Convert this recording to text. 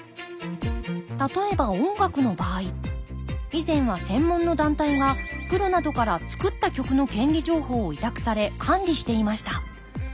例えば音楽の場合以前は専門の団体がプロなどから作った曲の権利情報を委託され管理していました。